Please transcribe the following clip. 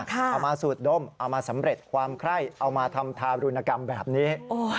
เอามาสูดดมเอามาสำเร็จความไคร้เอามาทำทารุณกรรมแบบนี้